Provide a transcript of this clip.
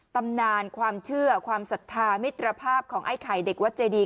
ตำนานความเชื่อความศรัทธามิตรภาพของไอ้ไข่เด็กวัดเจดี